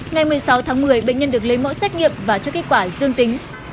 ngày một mươi sáu tháng một mươi bệnh nhân được lấy mẫu xét nghiệm và cho kết quả dương tính